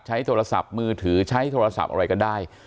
ใช้โทรศัพท์มือถือใช้โทรศัพท์อะไรกันได้